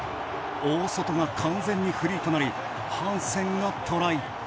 大外が完全にフリーとなりハンセンがトライ。